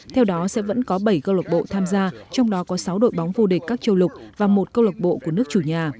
theo đó sẽ vẫn có bảy cơ lộc bộ tham gia trong đó có sáu đội bóng vô địch các châu lục và một cơ lộc bộ của nước chủ nhà